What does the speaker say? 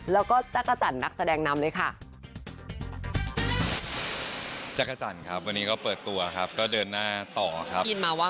แล้วก็จักรจันทร์นักแสดงนำเลยค่ะ